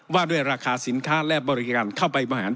ว่าด้วยราคาสินค้าและบริการเข้าไปผ่านจัดการได้